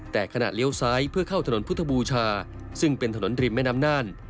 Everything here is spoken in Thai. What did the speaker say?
แต่ขณะเลี้ยวซ้ายเพื่อเข้าถนนพุทธบูชาซึ่งเป็นถนนริมแม่น้ำน่าน